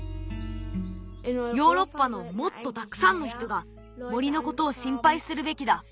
ヨーロッパのもっとたくさんの人が森のことをしんぱいするべきだ。